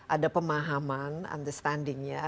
ada pemahaman understanding nya